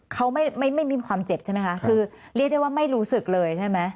เขาไม่มีความเจ็บใช่ไหมคะคือเรียกได้ว่าไม่รู้สึกเลยใช่ไหม